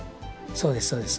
そうですそうです。